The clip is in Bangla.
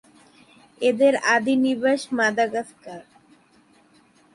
এদের আদি নিবাস মাদাগাস্কার।